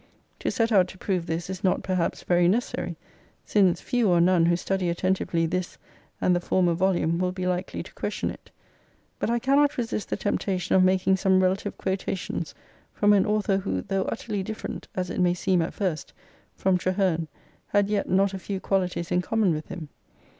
To set out to prove this is not perhaps very necessary, since few or none who study attentively this and the former volume will be likely to question it ; but I cannot resist the temptation of making some relative quotations from an author who, though utterly different as it may seem at first, from Traherne, had yet not a few qualities in common with him.